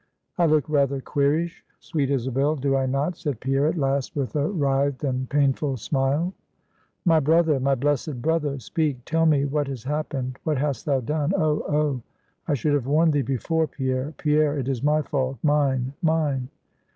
"I look rather queerish, sweet Isabel, do I not?" said Pierre at last with a writhed and painful smile. "My brother, my blessed brother! speak tell me what has happened what hast thou done? Oh! Oh! I should have warned thee before, Pierre, Pierre; it is my fault mine, mine!"